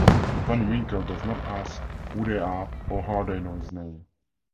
Van Winkle does not ask who they are or how they know his name.